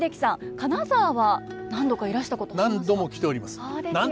金沢は何度かいらしたことありますか？